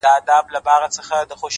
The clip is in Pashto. پوهه له شکونو ځواکمنه ده,